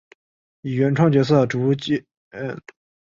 以原创角色莲见琢马为主角。